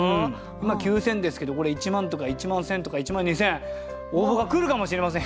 今９，０００ですけどこれ１万とか１万１，０００とか１万２，０００応募が来るかもしれません。